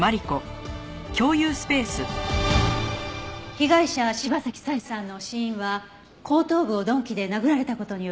被害者柴崎佐江さんの死因は後頭部を鈍器で殴られた事による脳挫傷。